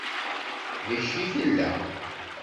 Deg-k i tella.